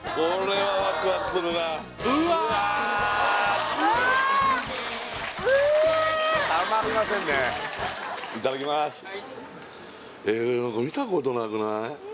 はいええ何か見たことなくない？